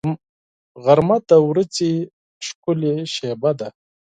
غرمه د ورځې ښکلې شېبه ده